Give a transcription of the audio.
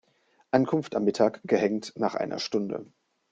Ankunft am Mittag, gehängt nach einer Stunde“.